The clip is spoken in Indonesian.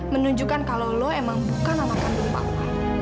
menunjukkan kalau lo emang bukan nama kandung papa